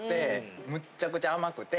むっちゃくちゃ甘くて。